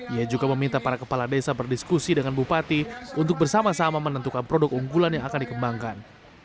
ia juga meminta para kepala desa berdiskusi dengan bupati untuk bersama sama menentukan produk unggulan yang akan dikembangkan